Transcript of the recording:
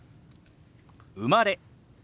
「生まれ」。